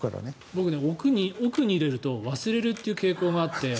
僕、奥に入れると忘れる傾向があって。